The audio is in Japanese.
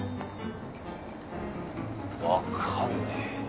わかんねぇ。